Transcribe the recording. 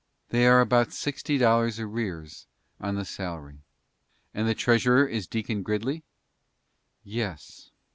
"They are about sixty dollars in arrears on the salary." "And the treasurer is Deacon Gridley?" "Yes."